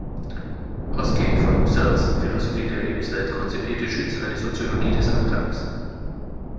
Ausgehend von Husserls Philosophie der Lebenswelt konzipierte Schütz eine Soziologie des Alltags.